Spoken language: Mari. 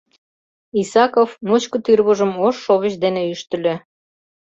— Исаков ночко тӱрвыжым ош шовыч дене ӱштыльӧ.